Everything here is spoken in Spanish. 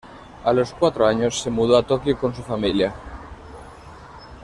A los cuatro años, se mudó a Tokio con su familia.